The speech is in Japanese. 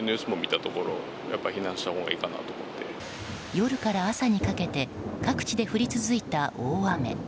夜から朝にかけて各地で降り続いた大雨。